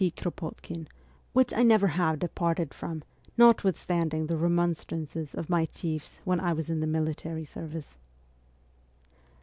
Kropotkin, which I never have departed from, notwithstanding the remonstrances of my chiefs when I was in the military service.